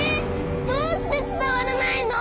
どうしてつたわらないの？